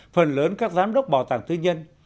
phần lớn các giám đốc bảo tàng tư nhân